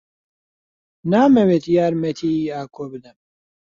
نامەوێت یارمەتیی ئاکۆ بدەم.